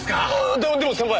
でもでも先輩。